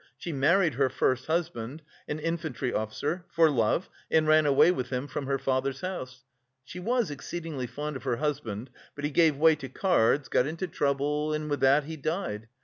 She married her first husband, an infantry officer, for love, and ran away with him from her father's house. She was exceedingly fond of her husband; but he gave way to cards, got into trouble and with that he died.